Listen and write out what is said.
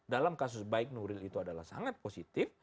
dalam kasus baik nuril itu adalah sangat positif